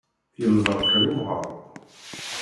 Yemḍerkal umɣar.